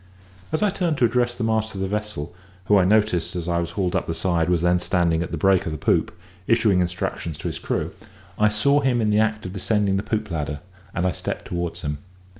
As I turned to address the master of the vessel, who, I noticed as I was hauled up the side, was then standing at the break of the poop, issuing instructions to his crew, I saw him in the act of descending the poop ladder, and I stepped towards him.